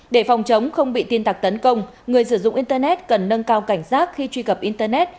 để phòng chống không bị tin tặc tấn công người sử dụng internet cần nâng cao cảnh giác khi truy cập internet